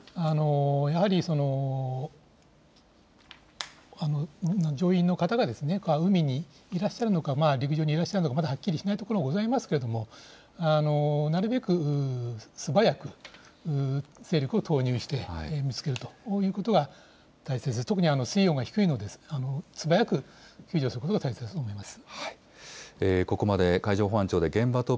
やはり、乗員の方が海にいらっしゃるのか、陸上にいらっしゃるのか、まだはっきりしないところがございますけれども、なるべく素早く、勢力を投入して見つけるということが大切、特に水温が低いので、素早く救助することが大切だと思います。